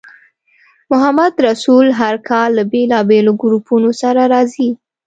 محمدرسول هر کال له بېلابېلو ګروپونو سره راځي.